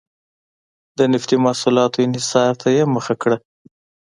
د نفتي محصولاتو انحصار ته یې مخه کړه.